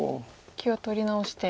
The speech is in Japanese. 気を取り直して。